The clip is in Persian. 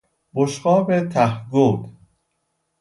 بشقاب ته گود